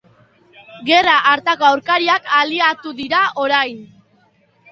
Gerra hartako aurkariak, aliatu dira orain.